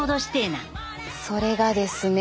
それがですね。